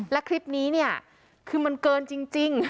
และคลิปนี้เนี่ยคือมันเกินจริง